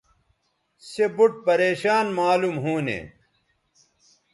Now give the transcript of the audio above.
سے بُوٹ پریشان معلوم ھونے